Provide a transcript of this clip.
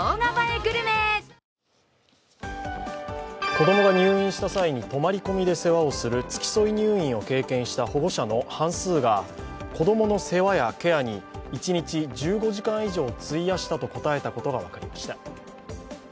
子供が入院した際に泊まり込みで世話をする付き添い入院を経験した保護者の半数が子供の世話やケアに一日１５時間以上費やしたと答えたことが分かりました。